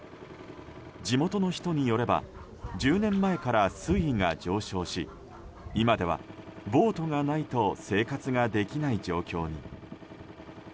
地元の人によれば１０年前から水位が上昇し今ではボートがないと生活ができない状況に。